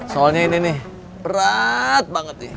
soalnya ini nih berat banget nih